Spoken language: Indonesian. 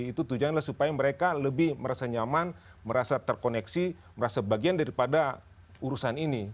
itu tujuannya supaya mereka lebih merasa nyaman merasa terkoneksi merasa bagian daripada urusan ini